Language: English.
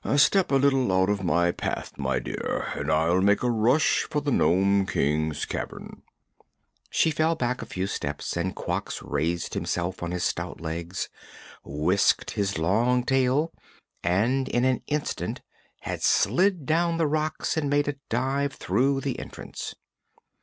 Step a little out of my path, my dear, and I'll make a rush for the Nome King's cavern." She fell back a few steps and Quox raised himself on his stout legs, whisked his long tail and in an instant had slid down the rocks and made a dive through the entrance.